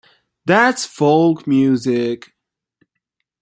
That's folk music.